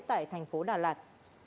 tại thành phố đà lạt